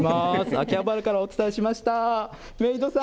秋葉原からお伝えしました。